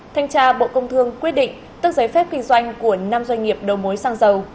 thanh tra bộ công thương quyết định tước giấy phép kinh doanh của năm doanh nghiệp đầu mối sang giàu